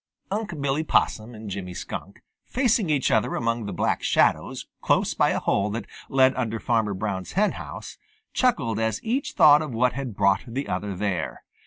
Unc' Billy Possum and Jimmy Skunk, facing each other among the Black Shadows close by a hole that led under Farmer Brown's henhouse, chuckled as each thought of what had brought the other there.